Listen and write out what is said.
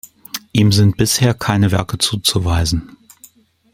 Ihm sind bisher keine Werke zuzuweisen.